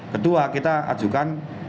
kedua kita ajukan